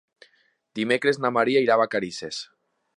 Dimecres na Maria irà a Vacarisses.